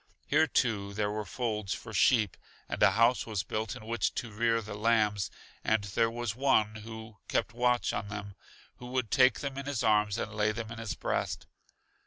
Here, too, there were folds for sheep, and a house was built in which to rear the lambs, and there was One who kept watch on them, who would take them in His arms and lay them in His breast.